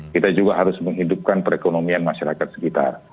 kita juga harus menghidupkan perekonomian masyarakat sekitar